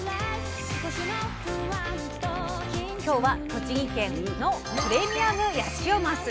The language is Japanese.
今日は栃木県のプレミアムヤシオマス。